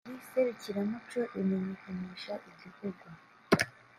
Iri serukiramuco rimenyekanisha igihugu